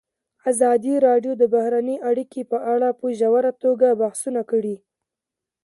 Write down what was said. ازادي راډیو د بهرنۍ اړیکې په اړه په ژوره توګه بحثونه کړي.